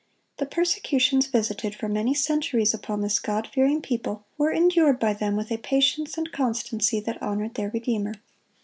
The persecutions visited for many centuries upon this God fearing people were endured by them with a patience and constancy that honored their Redeemer.